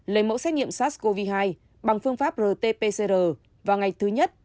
lấy mẫu xét nghiệm sars cov hai bằng phương pháp rt pcr vào ngày thứ nhất